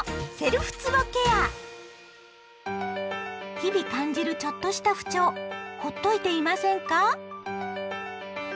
日々感じるちょっとした不調ほっといていませんか？